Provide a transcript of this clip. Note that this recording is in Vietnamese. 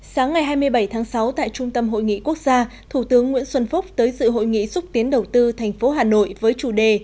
sáng ngày hai mươi bảy tháng sáu tại trung tâm hội nghị quốc gia thủ tướng nguyễn xuân phúc tới dự hội nghị xúc tiến đầu tư thành phố hà nội với chủ đề